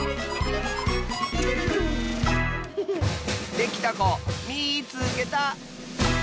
できたこみいつけた！